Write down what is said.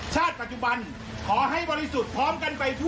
ชาติปัจจุบันขอให้บริสุทธิ์พร้อมกันไปทั่ว